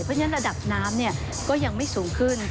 เพราะฉะนั้นระดับน้ำก็ยังไม่สูงขึ้น